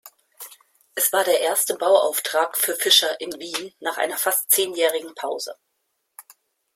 Es war der erste Bauauftrag für Fischer in Wien nach einer fast zehnjährigen Pause.